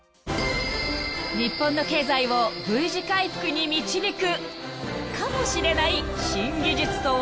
［日本の経済をＶ字回復に導くかもしれない新技術とは］